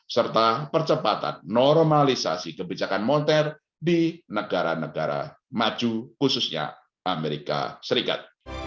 serta percepatan normalisasi kebijakan moneter di negara negara maju khususnya amerika serikat